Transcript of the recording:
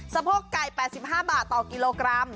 โพกไก่๘๕บาทต่อกิโลกรัม